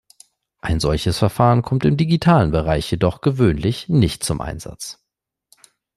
Ein solches Verfahren kommt im digitalen Bereich jedoch gewöhnlich nicht zum Einsatz.